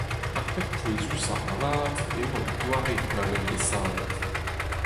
Ar pep pouezusañ avat eo an doare ma oant bet savet.